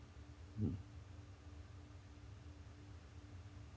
うん。